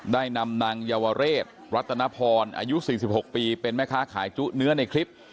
ได้นำนางเยาวเรศรัตนพรอายุ๔๖ปีเป็นแม่ค้าขายจุเนื้อในคลิป